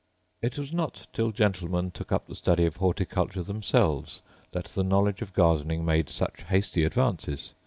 It was not till gentlemen took up the study of horticulture themselves that the knowledge of gardening made such hasty advances.